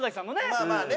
まあまあね。